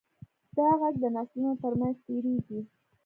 دا غږ د نسلونو تر منځ تېرېږي.